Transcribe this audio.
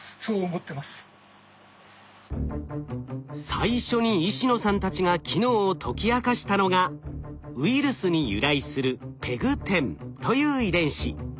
最初に石野さんたちが機能を解き明かしたのがウイルスに由来するＰＥＧ１０という遺伝子。